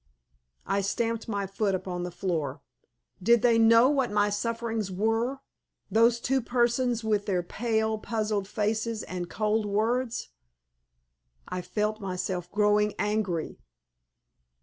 I stamped my foot upon the floor. Did they know what my sufferings were, those two persons, with their pale, puzzled faces and cold words? I felt myself growing angry.